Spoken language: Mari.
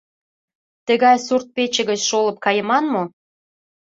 Тыгай сурт-пече гыч шолып кайыман мо?